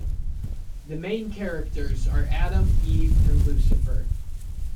The main characters are Adam, Eve and Lucifer.